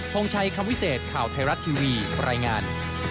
งชัยคำวิเศษข่าวไทยรัฐทีวีรายงาน